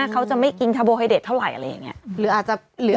เขาจะไม่อิงคาโบไฮเดตเท่าไหร่อะไรอย่างนี้